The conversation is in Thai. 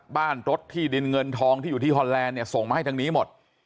บ้านรถที่ดินเงินทองที่อยู่ที่ฮอนแลนด์เนี่ยส่งมาให้ทางนี้หมด